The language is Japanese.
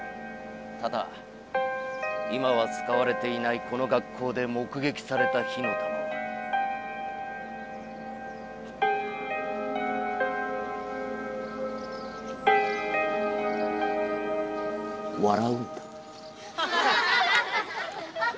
ただ今はつかわれていないこの学校でもくげきされた火の玉は。笑うんだ。